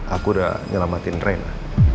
aku udah nyelamatin reina